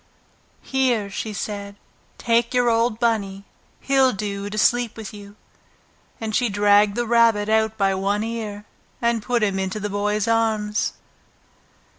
"Here," she said, "take your old Bunny! He'll do to sleep with you!" And she dragged the Rabbit out by one ear, and put him into the Boy's arms.